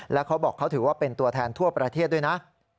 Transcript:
แล้วเขาบอกเขาถือว่าเป็นตัวแทนทั่วประเทศด้วยนะ